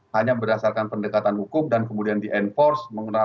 hanya berdasarkan pendekatan hukum dan kemudian di enforce